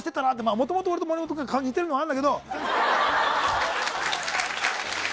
もともと俺と森本君の顔が似ているのもあるんだけど。